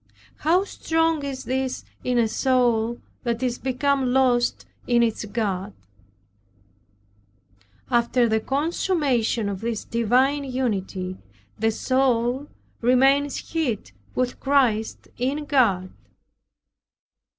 How strong is this in a soul that is become lost in its God! After the consummation of this divine unity, the soul remains hid with Christ in God.